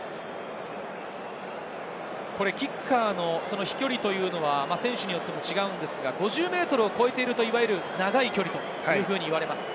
キッカーの飛距離というのは選手によって違うのですが、５０ｍを超えていると長い距離と言われます。